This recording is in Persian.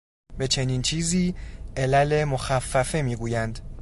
به چنین چیزی، علل مخفّفه میگویند